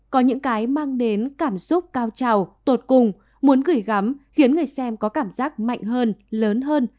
có những cái mang đến cảm xúc cao trào tột cùng muốn gửi gắm khiến người xem có cảm giác mạnh hơn lớn hơn